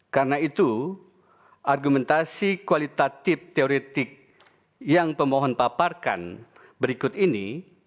karena itu argumentasi kuantitatif teoretik yang pemohon paparkan berikut ini